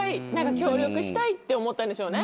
協力したいと思ったんでしょうね。